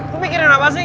lo mikirin apa sih